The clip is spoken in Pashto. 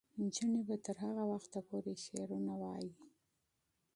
نجونې به تر هغه وخته پورې شعرونه وايي.